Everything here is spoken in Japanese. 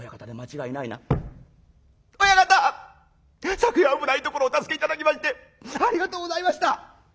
昨夜危ないところをお助け頂きましてありがとうございました！」。